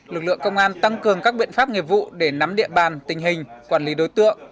lực lượng công an tăng cường các biện pháp nghiệp vụ để nắm địa bàn tình hình quản lý đối tượng